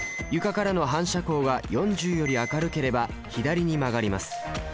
床からの反射光が４０より明るければ左に曲がります。